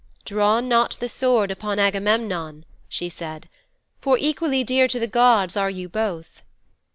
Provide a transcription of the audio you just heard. "Draw not the sword upon Agamemnon," she said, "for equally dear to the gods are you both."